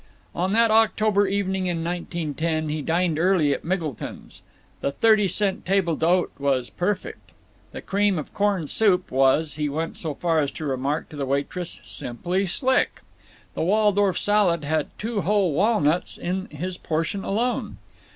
On that October evening in 1910 he dined early at Miggleton's. The thirty cent table d'hote was perfect. The cream of corn soup was, he went so far as to remark to the waitress, "simply slick"; the Waldorf salad had two whole walnuts in his portion alone.